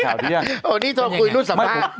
โอ้นี่ได้คุยนุ่นสัมภาษณึก